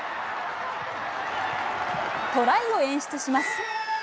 トライを演出します。